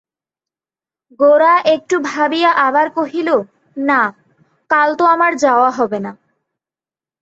গোরা একটু ভাবিয়া আবার কহিল, না, কাল তো আমার যাওয়া হবে না।